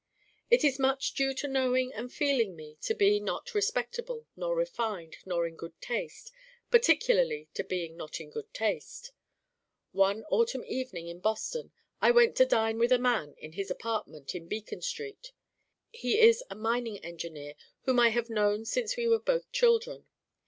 It is much due to knowing and feeling me to be not Respectable nor Refined nor in Good Taste: particularly to being not in Good Taste. One autumn evening in Boston I went to dine with a man in his apartment in Beacon Street. He is a mining engineer whom I have known since we were both children.